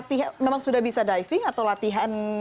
itu memang sudah bisa diving atau latihan khusus